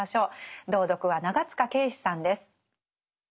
朗読は長塚圭史さんです。